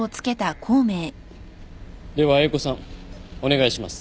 では英子さんお願いします。